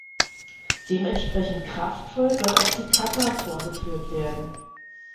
Dementsprechend kraftvoll soll auch die Kata vorgeführt werden.